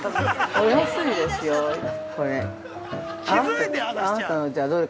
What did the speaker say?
お安いですよ、これ。